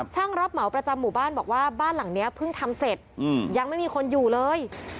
ช่างรับเหมาประจำหมู่บ้านบอกว่าบ้านหลังนี้เพิ่งทำเสร็จยังไม่มีคนอยู่เลย